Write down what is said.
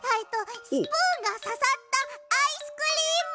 スプーンがささったアイスクリーム。